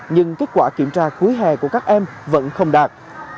nhưng kết quả kiểm tra cuối hè của các em vẫn không đạt